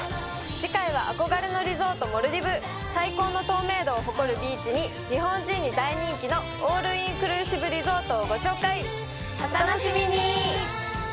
次回は憧れのリゾートモルディブ最高の透明度を誇るビーチに日本人に大人気のオールインクルーシブリゾートをご紹介お楽しみに！